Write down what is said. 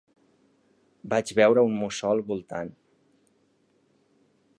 Vaig veure un mussol voltant.